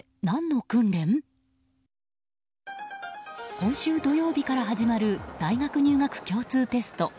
今週土曜日から始まる大学入学共通テスト。